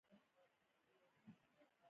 هر پلورنځی باید غوره خدمات وړاندې کړي.